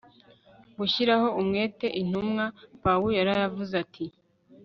gushyiraho umwete Intumwa Pawulo yaravuze ati